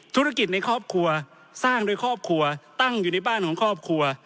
ธุรกิจในครอบครัวสร้างด้วยครอบครัวตั้งอยู่ในบ้านของครอบครัว